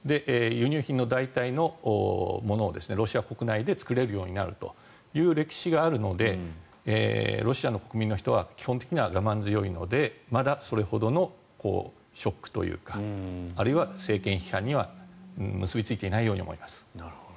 輸入品の代替のものをロシア国内で作れるようになるという歴史があるので、ロシアの国民は基本的には我慢強いのでまだそれほどのショックというかあるいは政権批判には結びついていないように思います。